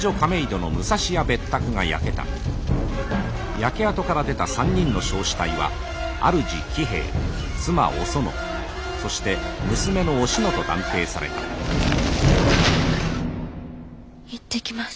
焼け跡から出た３人の焼死体は主喜兵衛妻おそのそして娘のおしのと断定された行ってきます。